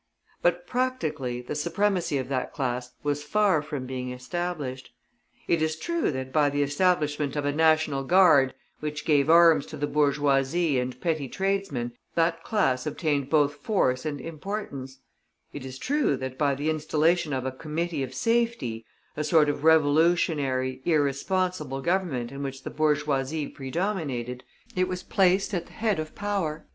But practically the supremacy of that class was far from being established. It is true that by the establishment of a national guard, which gave arms to the bourgeoisie and petty tradesmen, that class obtained both force and importance; it is true that by the installation of a "Committee of Safety," a sort of revolutionary, irresponsible Government in which the bourgeoisie predominated, it was placed at the head of power.